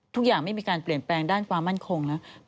ทุกอย่างไม่มีการเปลี่ยนแปลงด้านความมั่นคงแล้ว